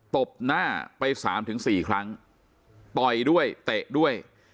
ตบหน้าไป๓๔ครั้งปล่อยด้วยเตะด้วย